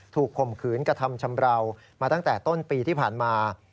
ข่มขืนกระทำชำราวมาตั้งแต่ต้นปีที่ผ่านมา